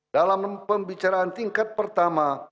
dalam pembicaraan tingkat pertama